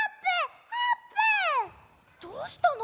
どうしたの？